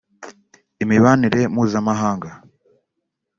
imibanire mpuzamahanga